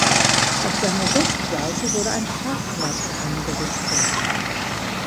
Auf seiner Westseite wurde ein Parkplatz eingerichtet.